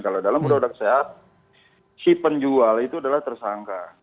kalau dalam udara udara kesehatan si penjual itu adalah tersangka